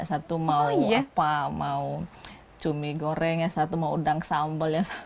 satu mau cumi goreng satu mau udang sambal